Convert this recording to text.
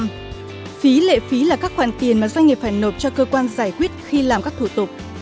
phí lệ phí là các khoản tiền mà doanh nghiệp phải nộp cho cơ quan giải quyết khi làm các thủ tục